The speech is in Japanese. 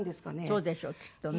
そうでしょうきっとね。